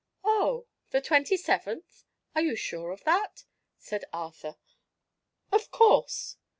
"Oh, the twenty seventh? Are you sure of that?" said Arthur. "Of course."